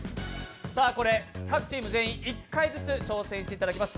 これ各チーム全員１回ずつ挑戦していただきます。